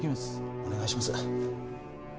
お願いします